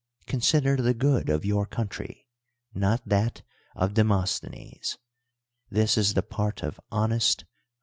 Consider the good of \ our f'oiintry. not thnt of Deinostlienes. 'Huh is the [)art of honest.